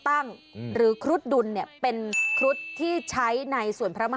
อันนั้นจดหมายส่วนตัว